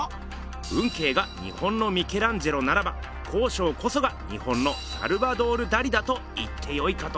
運慶が日本のミケランジェロならば康勝こそが日本のサルバドール・ダリだと言ってよいかと。